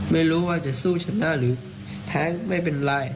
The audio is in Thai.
ไม่รู้ว่าจะสู้ชนะหรือแพ้ไม่เป็นไร